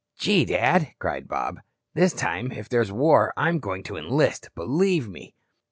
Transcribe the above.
"Gee, Dad," cried Bob. "This time, if there's a war, I'm going to enlist, believe me."